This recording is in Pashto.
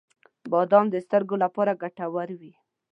• بادام د سترګو لپاره ګټور وي.